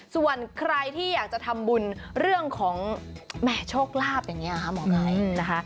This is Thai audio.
ส่วนใครที่อยากจะทำบุญเรื่องของโชคลาบอย่างนี้ค่ะ